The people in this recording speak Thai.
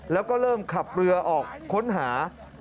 แล้วก็เริ่มขับเรือออกค้นหา